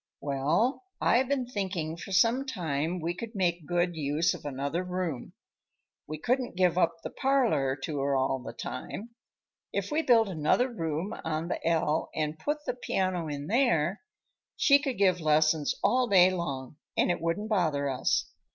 "Well, I've been thinking for some time we could make good use of another room. We couldn't give up the parlor to her all the time. If we built another room on the ell and put the piano in there, she could give lessons all day long and it wouldn't bother us.